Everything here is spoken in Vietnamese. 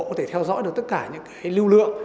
có thể theo dõi được tất cả những lưu lượng